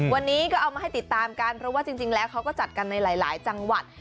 วันนี้ก็เอามาให้ติดตามกันเพราะว่าจริงแล้วเขาก็จัดกันในหลายจังหวัด